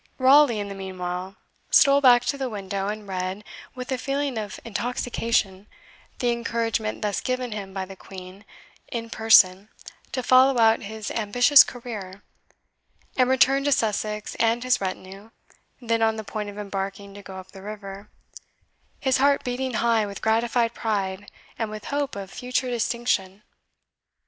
Raleigh, in the meanwhile, stole back to the window, and read, with a feeling of intoxication, the encouragement thus given him by the Queen in person to follow out his ambitious career, and returned to Sussex and his retinue, then on the point of embarking to go up the river, his heart beating high with gratified pride, and with hope of future distinction.